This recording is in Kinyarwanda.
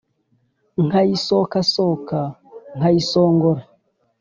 nkayisokasoka nkayisongora